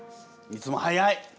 いつも早い！